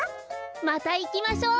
またいきましょう。